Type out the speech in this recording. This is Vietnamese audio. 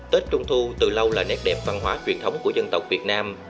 tết trung thu từ lâu là nét đẹp văn hóa truyền thống của dân tộc việt nam